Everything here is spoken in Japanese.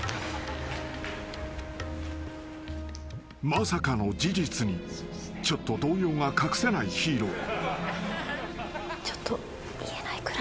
［まさかの事実にちょっと動揺が隠せないヒーロー］